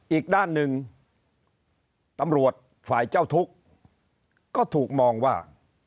อีกด้านหนึ่งตำรวจฝ่ายเจ้าทุกข์ก็ถูกมองว่า